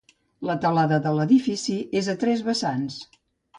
La teulada de l'edifici és a tres vessants.